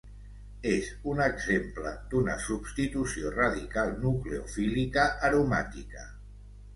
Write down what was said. És un exemple d'una substitució radical-nucleofílica aromàtica.